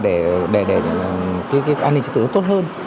để an ninh trật tự tốt hơn